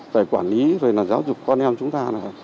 phải quản lý giáo dục con em chúng ta